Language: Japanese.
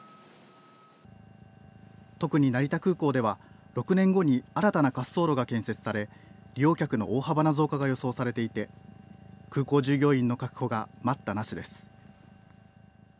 特に成田空港では６年後に新たな滑走路が建設され利用客の大幅な増加が予想されていて空港従業員の確保が待ったなしです。